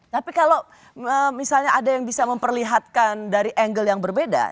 tapi kalau misalnya ada yang bisa memperlihatkan dari angle yang berbeda